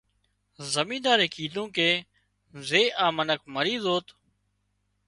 زمينۮارئي ڪيڌو ڪي زي آ منک مري زوت